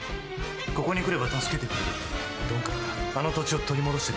ここに来れば助けてくれるって。